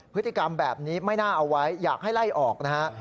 พฤติกรรมแบบนี้ไม่น่าเอาไว้อยากให้ไล่ออกนะฮะ